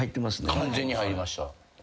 完全に入りました。